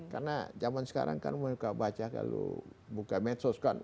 karena zaman sekarang kan mereka baca kalau buka medsos kan